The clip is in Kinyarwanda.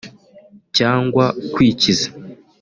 cyangwa kwikiza”